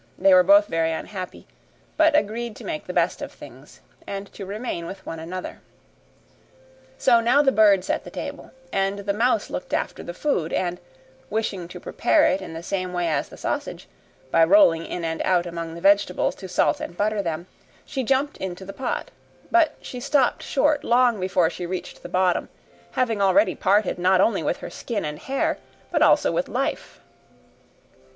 They were both very unhappy, but agreed to make the best of things and to remain with one another. So now the bird set the table, and the mouse looked after the food and, wishing to prepare it in the same way as the sausage, by rolling in and out among the vegetables to salt and butter them, she jumped into the pot; but she stopped short long before she reached the bottom, having already parted not only with her skin and hair, but also with life.